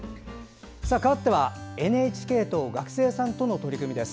かわってはＮＨＫと学生さんとの取り組みです。